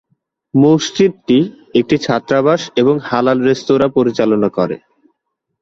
মসজিদটি একটি ছাত্রাবাস এবং হালাল রেস্তোরাঁ পরিচালনা করে।